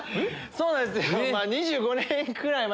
そうなんですよ。